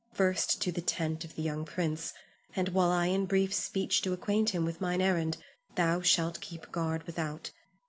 First to the tent of the young prince, and while I in brief speech do acquaint him with mine errand, thou shalt keep guard without.